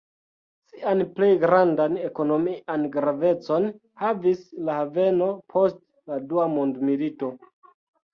Sian plej grandan ekonomian gravecon havis la haveno post la Dua Mondmilito.